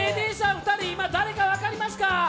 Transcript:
２人、誰か分かりますか？